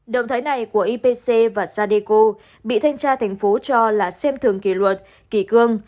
động thái này của ipc và sadeco bị thanh tra thành phố cho là xem thường kỳ luật kỳ cương